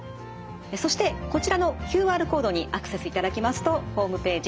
そしてこちらのＱＲコードにアクセスいただきますとホームページ